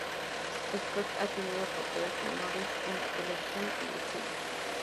Scott ha tenido papeles menores en la televisión y el cine.